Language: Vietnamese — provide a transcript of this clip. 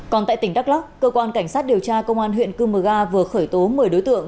còn tại tỉnh đắk lắk cơ quan cảnh sát điều tra công an huyện cư mờ ga vừa khởi tố một mươi đối tượng